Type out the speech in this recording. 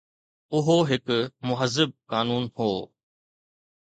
اهو هڪ مهذب قانون هو.